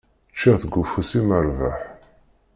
Ččiɣ deg ufus-im rrbeḥ.